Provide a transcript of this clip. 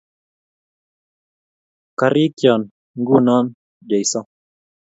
Karikyion, nguno, jesu